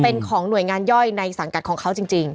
เป็นของหน่วยงานย่อยในสังกัดของเขาจริง